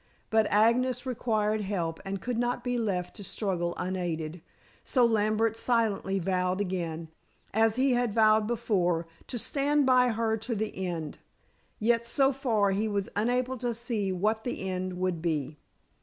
But Agnes required help and could not be left to struggle unaided, so Lambert silently vowed again, as he had vowed before, to stand by her to the end. Yet so far he was unable to see what the end would be.